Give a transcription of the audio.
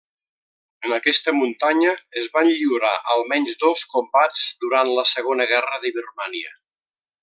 En aquesta muntanya es van lliurar almenys dos combats durant la segona guerra de Birmània.